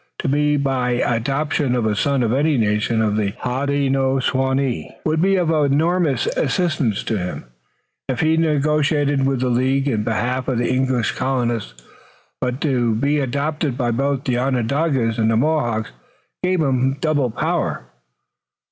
To be by adoption a son of any nation of the Hodenosaunee would be of enormous assistance to him, if he negotiated with the League in behalf of the English colonists. But to be adopted by both Onondagas and Mohawks gave him a double power.